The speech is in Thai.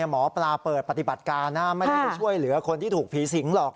หมอปลาเปิดปฏิบัติการนะไม่ได้ไปช่วยเหลือคนที่ถูกผีสิงหรอก